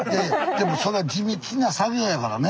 でもそれは地道な作業やからね。